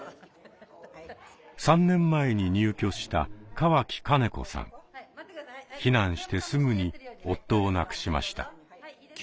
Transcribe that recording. ３年前に入居した避難してすぐに夫を亡くしました。